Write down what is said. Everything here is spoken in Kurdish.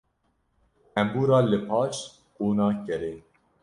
Tembûra li paş qûna kerê.